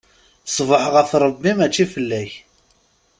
Ṣṣbuḥ ɣef Rebbi, mačči fell-ak!